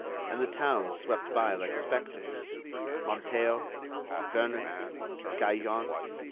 And the towns swept by like spectres: Manteo, Vernon, Gaillon.